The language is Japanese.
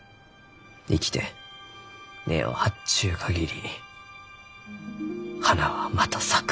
生きて根を張っちゅう限り花はまた咲く。